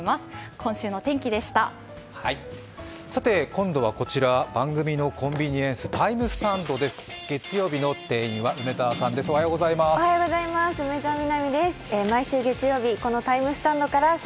今度はこちら番組のコンビニ・ＴＩＭＥスタンドです。